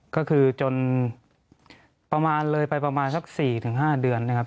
ก็คือจนประมาณเลยไปประมาณสัก๔๕เดือนนะครับ